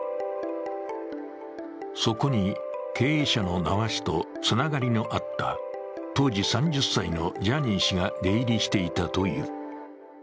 そこに経営者の名和氏とつながりのあった当時３０歳のジャニー氏が出入りしていたという。